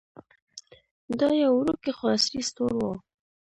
دا یو وړوکی خو عصري سټور و.